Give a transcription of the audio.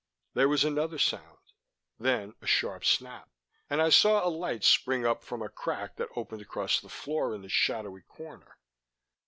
There was another sound, then a sharp snap, and I saw light spring up from a crack that opened across the floor in the shadowy corner.